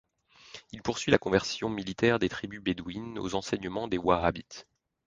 Il poursuit la conversion militaire des tribus bédouines aux enseignements des Wahhabites.